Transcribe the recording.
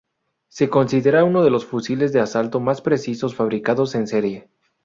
Se considera uno de los fusiles de asalto más precisos fabricados en serie.